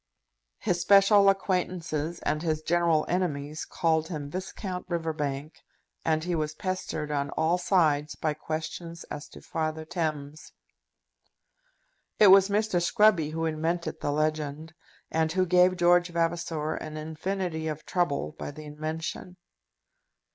His special acquaintances and his general enemies called him Viscount Riverbank, and he was pestered on all sides by questions as to Father Thames. It was Mr. Scruby who invented the legend, and who gave George Vavasor an infinity of trouble by the invention.